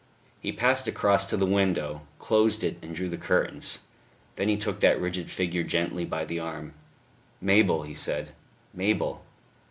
He passed across to the window, closed it and drew the curtains. Then he took that rigid figure gently by the arm. "Mabel," he said, "Mabel."